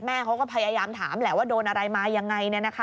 เขาก็พยายามถามแหละว่าโดนอะไรมายังไง